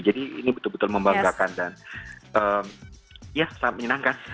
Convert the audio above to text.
jadi ini betul betul membanggakan dan ya sangat menyenangkan